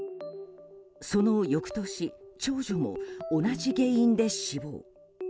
その翌年、長女も同じ原因で死亡。